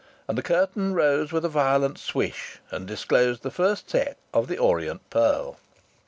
And the curtain rose with a violent swish, and disclosed the first "set" of "The Orient Pearl."